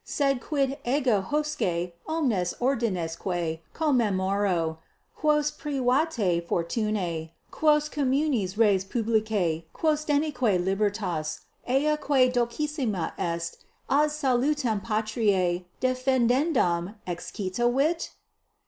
Sed quid ego hosce homines ordinesque commemoro, quos privatae fortunae, quos communis res publica, quos denique libertas, ea quae dulcissima est, ad salutem patriae defendendam excitavit?